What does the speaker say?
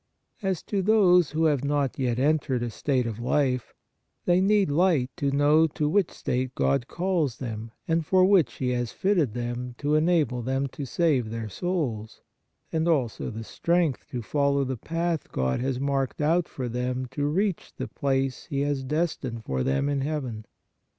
As to those who have not yet entered a state of life, they need light to know to which state God calls them and for which He has fitted them to enable them to save their souls, and also the strength to follow the path God has marked out for them to reach the place He has destined for them in heaven.